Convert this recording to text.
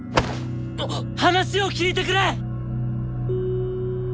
話を聞いてくれ！